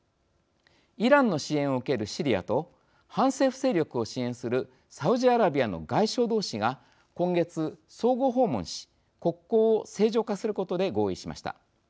イランの支援を受けるシリアと反政府勢力を支援するサウジアラビアの外相同士が今月相互訪問し国交を正常化することで合意しました。